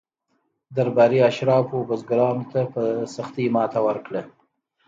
درباري اشرافو بزګرانو ته په سختۍ ماته ورکړه.